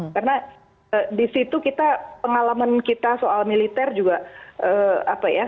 karena di situ kita pengalaman kita soal militer juga apa ya